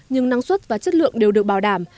nhưng năng suất và chất lượng đều được bảo đảm